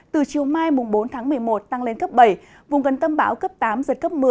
từ chiều mai bốn tháng một mươi một tăng lên cấp bảy vùng gần tâm bão cấp tám giật cấp một mươi